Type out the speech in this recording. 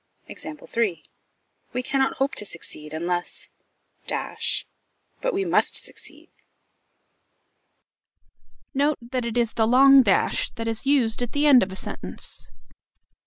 "We cannot hope to succeed, unless " "But we must succeed." Note that it is the long dash that is used at the end of a sentence.